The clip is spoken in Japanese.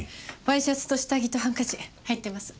ワイシャツと下着とハンカチ入ってます。